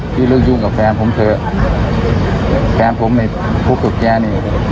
พี่เลิกยุ่งกับแฟนผมเถอะแฟนผมในคุกกับแกนี่